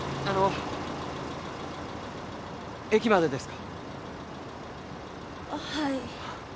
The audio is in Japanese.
あっはい。